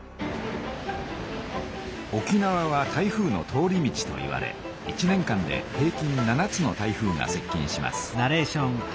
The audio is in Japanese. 沖縄は台風の通り道といわれ１年間で平きん７つの台風がせっ近します。